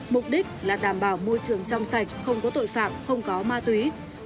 mục đích là đảm bảo môi trường trong sạch không có tội phạm không có ma túy